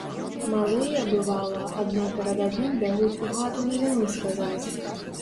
Малыя, бывала, адно перад адным бягуць у хату навіну сказаць.